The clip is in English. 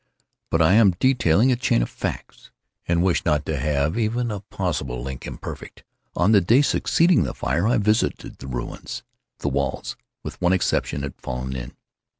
But I am detailing a chain of facts—and wish not to leave even a possible link imperfect. On the day succeeding the fire, I visited the ruins. The walls, with one exception, had fallen in.